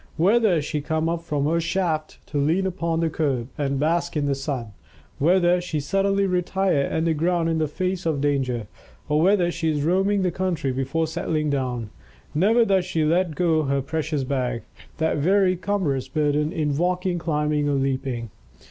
Whether she come up from her shaft I to lean upon the kerb and bask in the Sim, whether she suddenly retire under ground in the face of danger, or whether she is roaming the coim try before settling down, never does she let go her precious bag, that very cumbrous burden in walking, climbing or leaping.